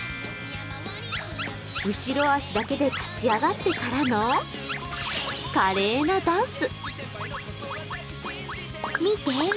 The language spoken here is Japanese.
後ろ足だけで立ち上がってからの華麗なダンス。